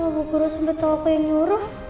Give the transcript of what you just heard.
kalau bukuru sampai tau aku yang nyuruh